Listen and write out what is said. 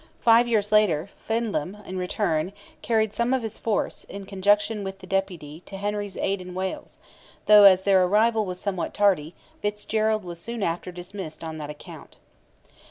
Five years later, Feidlim, in return, carried some of his force, in conjunction with the deputy, to Henry's aid in Wales, though, as their arrival was somewhat tardy, Fitzgerald was soon after dismissed on that account.